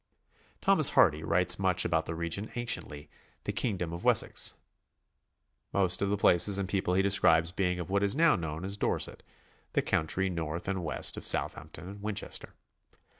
Thomas Hardy writes much about the region anciently the kingdom of Wessex, most of the places and people he describes being of what is now known as Dorset, the country north and west of Southampton and Winchester.